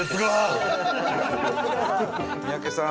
三宅さん